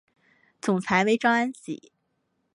总裁为张安喜。